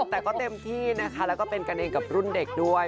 แต่ก็เต็มที่นะคะแล้วก็เป็นกันเองกับรุ่นเด็กด้วย